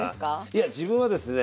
いや自分はですね